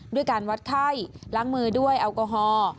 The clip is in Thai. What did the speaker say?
ด้วยการวัดไข้ล้างมือด้วยแอลกอฮอล์